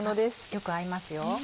よく合いますよ。